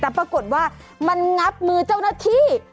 แต่ปรากฏว่ามันงับมือเจ้าหน้าที่